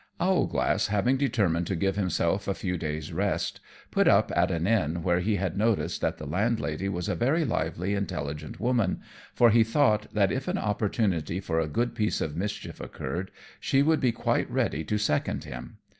_ Owlglass having determined to give himself a few days' rest, put up at an inn where he had noticed that the landlady was a very lively intelligent woman, for he thought that if an opportunity for a good piece of mischief occurred, she would be quite ready to second him.